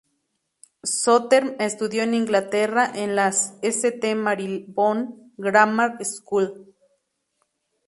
Sothern estudió en Inglaterra, en la St Marylebone Grammar School.